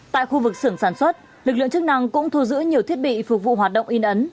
tại khu vực xưởng sản xuất lực lượng chức năng cũng thu giữ nhiều thiết bị phục vụ hoạt động in ấn